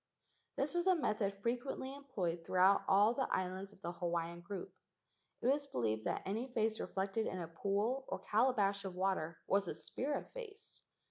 This was a method frequently employed throughout all the islands of the Hawaiian group. It was believed that any face reflected in a pool or calabash of water was a spirit face.